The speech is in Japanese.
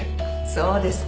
そうですか。